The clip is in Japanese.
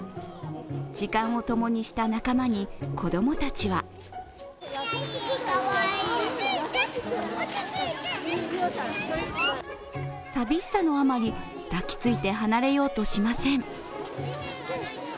時間を共にした仲間に子供たちは寂しさのあまり、抱きついて離れようとしません。